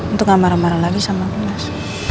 untuk gak marah marah lagi sama aku mas